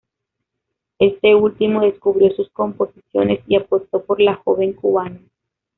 Este último descubrió sus composiciones y apostó por la joven cubana.